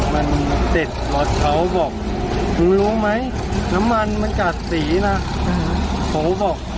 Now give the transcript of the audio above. มันติดบอสเขาบอกนึงรู้ไหมน้ำมันมันกาดสีน่ะอืมผมก็บอก